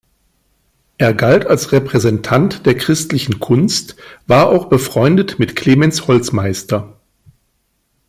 Er galt als Repräsentant der christlichen Kunst, war auch befreundet mit Clemens Holzmeister.